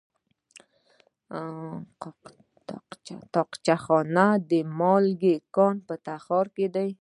د طاقچه خانې د مالګې کان په تخار کې دی.